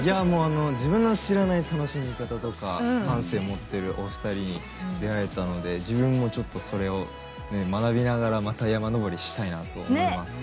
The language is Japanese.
自分の知らない楽しみ方とか感性を持っているお二人に出会えたので自分もそれを学びながらまた山登りしたいなと思います。